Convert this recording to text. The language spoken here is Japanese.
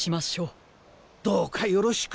どうかよろしく。